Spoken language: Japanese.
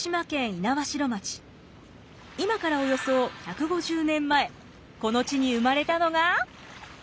今からおよそ１５０年前この地に生まれたのが。